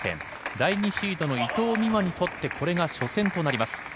第２シードの伊藤美誠にとってこれが初戦となります。